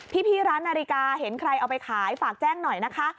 พี่ร้านนาฬิกาเห็นใครเอาไปขายฝากแจ้งหน่อยนะคะ